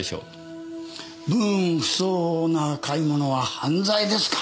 分不相応な買い物は犯罪ですか？